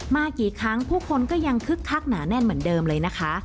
มากี่ครั้งผู้คนก็ยังคึกคักหนาแน่นเหมือนเดิมเลยนะคะ